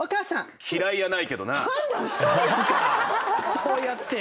そうやって。